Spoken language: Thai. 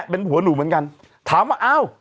เป็นผัวหนูเหมือนกันถามว่าอ้าว